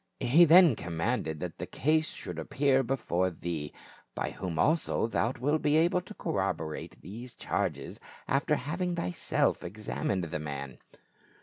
He then commanded that the case should appear before thee, by whom also thou wilt be able to corroborate these charges, after having thyself examined the man."